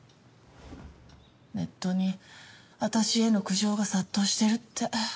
ネットに私への苦情が殺到してるって。